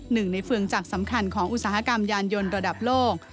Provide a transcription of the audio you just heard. หนึ่งในเฟืองจักรสำคัญของอุตสาหกรรมยานยนต์ระดับโลก